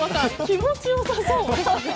気持ち良さそう。